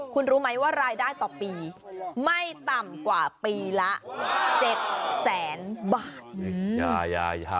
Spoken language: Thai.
คุณรู้ไหมว่ารายได้ต่อปีไม่ต่ำกว่าปีละ๗แสนบาท